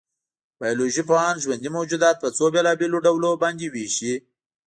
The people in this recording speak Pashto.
بایولوژيپوهان ژوندي موجودات په څو بېلابېلو ډولونو باندې وېشي.